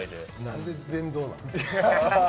なんで電動なん？